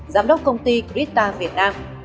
giám đốc công ty krita việt nam